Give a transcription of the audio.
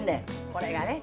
これがね。